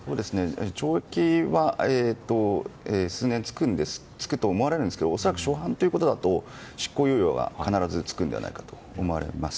懲役は数年つくと思われるんですが恐らく初犯ということだと執行猶予が必ず付くと思います。